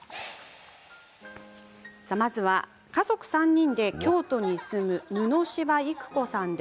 まずは、家族３人で京都に住む布柴育子さん。